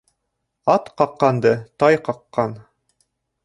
Ат ҡаҡҡанды тай ҡаҡҡан